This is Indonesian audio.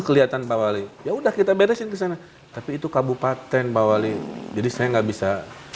kelihatan pak wali ya udah kita beresin kesana tapi itu kabupaten pak wali jadi saya nggak bisa